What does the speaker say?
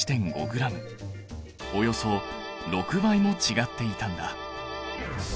およそ６倍も違っていたんだ。